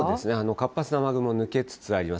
活発な雨雲、抜けつつあります。